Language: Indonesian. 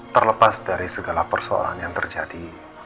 terlepas dari segala persoalan yang terjadi